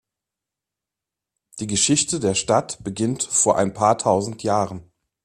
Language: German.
Die Geschichte der Stadt beginnt vor ein paar tausend Jahren.